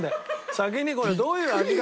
先にこれどういう味か。